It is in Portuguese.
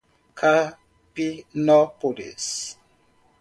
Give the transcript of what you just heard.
Capinópolis